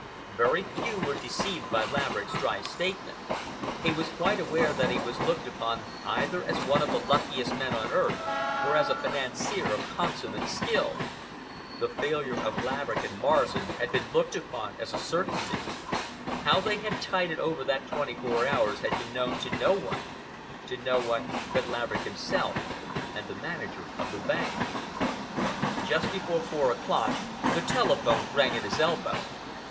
Very few were deceived by Laverick's dry statement. He was quite aware that he was looked upon either as one of the luckiest men on earth, or as a financier of consummate skill. The failure of Laverick & Morrison had been looked upon as a certainty. How they had tided over that twenty four hours had been known to no one—to no one but Laverick himself and the manager of his bank. Just before four o'clock, the telephone rang at his elbow.